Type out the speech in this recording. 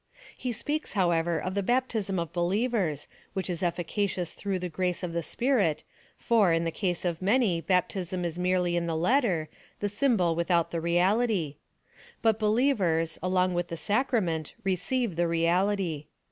He speaks, however, of the baptism of believers, which is efficacious through the grace of the Sj)irit, for, in the case of many, baptism is merely in the letter — the symbol without the reality ; but believers, along with the sacrament, receive the reality.